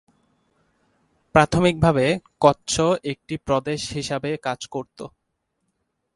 প্রাথমিকভাবে কচ্ছ একটি প্রদেশ হিসাবে কাজ করত।